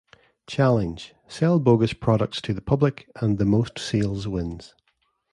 Challenge: Sell bogus products to the public and the most sales wins.